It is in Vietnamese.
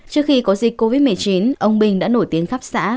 trước khi có dịch covid một mươi chín ông bình đã nổi tiếng khắp xã